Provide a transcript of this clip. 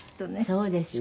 そうですね。